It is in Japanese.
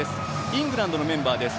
イングランドのメンバーです。